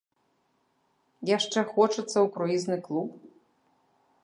Яшчэ хочацца ў круізны клуб?